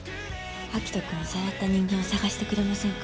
明人君をさらった人間を捜してくれませんか？